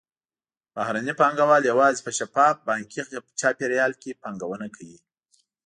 بهرني پانګهوال یوازې په شفاف بانکي چاپېریال کې پانګونه کوي.